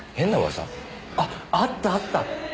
あっあったあった！